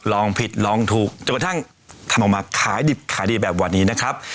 ลองผิดลองถูกจนกระทั่งทำออกมาขายดิบขายดีแบบวันนี้นะครับ